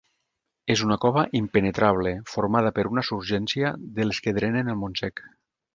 És una cova impenetrable formada per una surgència de les que drenen el Montsec.